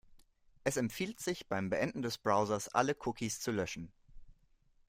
Es empfiehlt sich, beim Beenden des Browsers alle Cookies zu löschen.